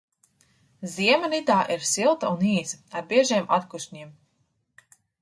Ziema Nidā ir silta un īsa ar biežiem atkušņiem.